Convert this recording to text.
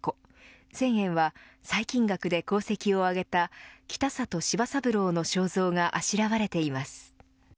１０００円は細菌学で功績を挙げた北里柴三郎の肖像があしらわれています。